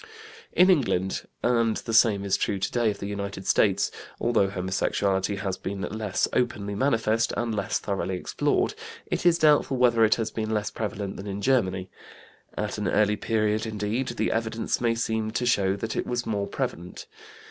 In England (and the same is true today of the United States), although homosexuality has been less openly manifest and less thoroughly explored, it is doubtful whether it has been less prevalent than in Germany. At an early period, indeed, the evidence may even seem to show that it was more prevalent.